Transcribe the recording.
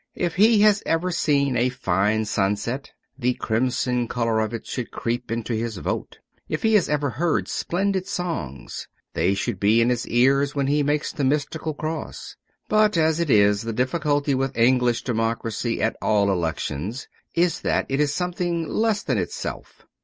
If he has ever seen a fine sunset, the crimson colour of it should creep into his vote. If he has ever heard splendid songs, they should be in his ears when he makes the mystical cross. But as it is, the difficulty with English democracy at all elections is that it is something less than itself.